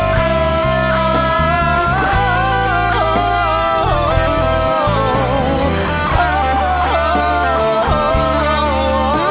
ใจมันรับอีกไม่ไหว